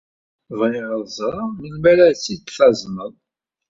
Bɣiɣ ad ẓreɣ melmi ara tt-id-tazneḍ.